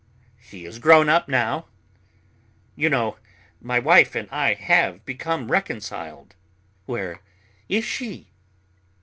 He is grown up now. You know, my wife and I have become reconciled." "Where is she?"